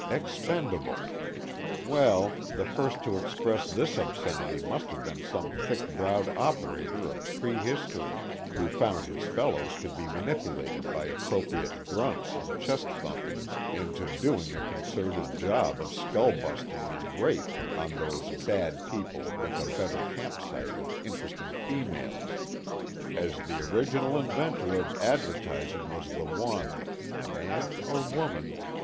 Expendable: well, the first to express this obscenity must have been some thick browed operator of prehistory, who found his fellows could be manipulated by appropriate grunts and chest thumpings into doing a concerted job of skull busting and rape on those Bad People with a better campsite and interesting females. As the original inventor of advertising was the one (man or woman?)